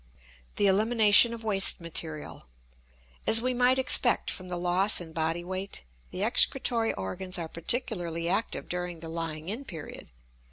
The Elimination of Waste Material. As we might expect from the loss in body weight, the excretory organs are particularly active during the lying in period.